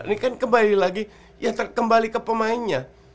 ini kan kembali lagi ya kembali ke pemainnya